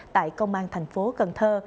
tại công an thành phố cần thơ